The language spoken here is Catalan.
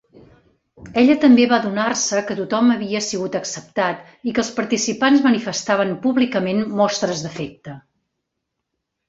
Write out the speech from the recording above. Ella també va adonar-se que tothom havia sigut acceptat i que els participants manifestaven públicament mostres d'afecte.